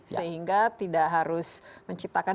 sehingga tidak harus menciptakan